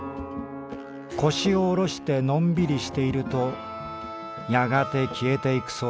腰を下ろしてのんびりしているとやがて消えていくそうだ」。